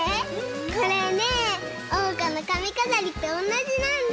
これねえおうかのかみかざりとおんなじなんだ！